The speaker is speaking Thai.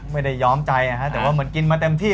ย้อมใจนะฮะแต่ว่าเหมือนกินมาเต็มที่